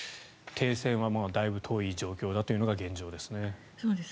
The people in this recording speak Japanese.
停戦はだいぶ遠い状況だというのが現状ですね。